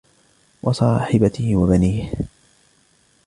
وصاحبته وبنيه